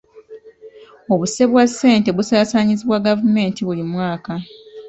Obuse bwa ssente busaasaanyizibwa gavumenti buli mwaka.